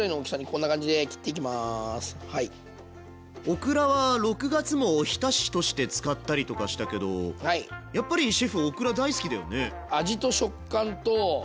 オクラは６月もおひたしとして使ったりとかしたけどやっぱりシェフオクラ大好きだよね？